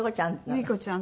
「ミーコちゃん」。